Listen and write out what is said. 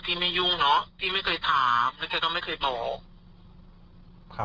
พี่ไม่เคยถามแล้วแกก็ไม่เคยบอก